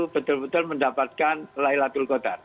betul betul mendapatkan laylatul qadar